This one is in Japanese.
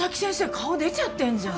顔出ちゃってんじゃん！